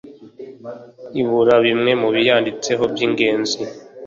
Ibura bimwe mu biyanditseho by ingenzi